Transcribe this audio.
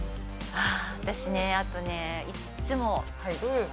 あ私ねあとね。